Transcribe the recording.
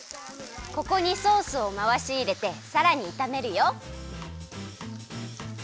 ここにソースをまわしいれてさらにいためるよ。